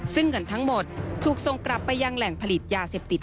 ซึ่งเงินทั้งหมดถูกส่งกลับไปยังแหล่งผลิตยาเสพติด